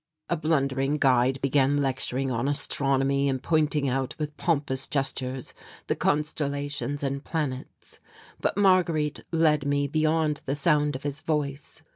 A blundering guide began lecturing on astronomy and pointing out with pompous gestures the constellations and planets. But Marguerite led me beyond the sound of his voice.